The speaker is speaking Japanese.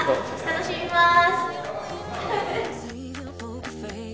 楽しみます。